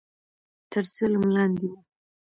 تر ظلم لاندې وو